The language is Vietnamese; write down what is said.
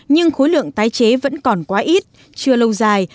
nhưng khối lượng tái chế vẫn còn quá ít chưa lâu dài